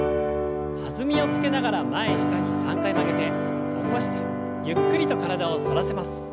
弾みをつけながら前下に３回曲げて起こしてゆっくりと体を反らせます。